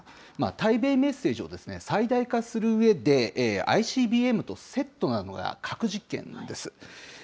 対米メッセージを最大化するうえで、ＩＣＢＭとセットなのが核実験なんです。